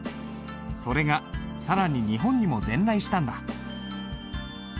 それが更に日本にも伝来したんだ。